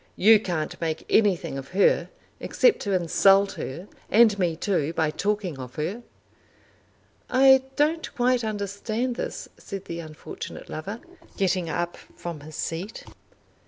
"You can't make anything of her, except to insult her, and me too by talking of her." "I don't quite understand this," said the unfortunate lover, getting up from his seat.